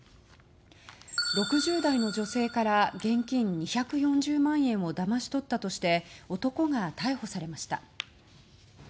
６０代の女性から現金２４０万円をだまし取ったとして男が逮捕されました。